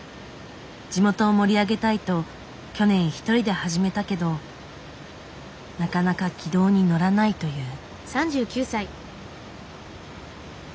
地元を盛り上げたいと去年一人で始めたけどなかなか軌道に乗らないという。